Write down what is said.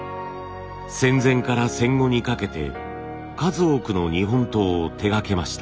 戦前から戦後にかけて数多くの日本刀を手がけました。